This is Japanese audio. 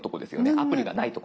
アプリがないとこ。